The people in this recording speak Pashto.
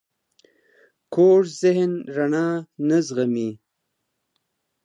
کوږ ذهن رڼا نه زغمي